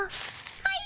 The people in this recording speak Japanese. はい？